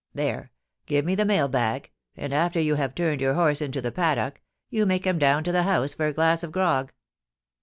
There ! give me the mail bag, and, after you have turned your horse into the paddock, you may come down to the house for a glass of grog.